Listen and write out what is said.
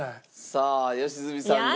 さあ良純さんが。